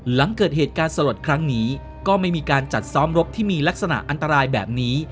หลังเกิดเหตุการณ์สลดครั้งนี้ก็ไม่มีการจัดซ้อมรบที่มีลักษณะอันตรายแบบนี้